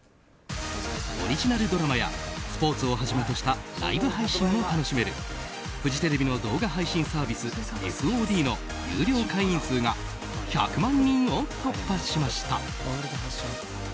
オリジナルドラマやスポーツをはじめとしたライブ配信も楽しめるフジテレビの動画配信サービスＦＯＤの有料会員数が１００万人を突破しました。